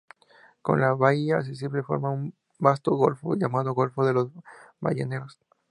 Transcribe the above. Con la bahía Accesible, forma un vasto golfo llamado Golfo de los Balleneros.